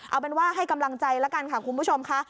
เอาเป็นว่าให้กำลังใจแล้วกันค่ะคุณผู้ชมค่ะ